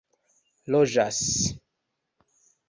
loĝas